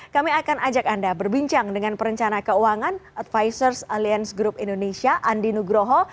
kami akan ajak anda berbincang dengan perencana keuangan advisors aliance group indonesia andi nugroho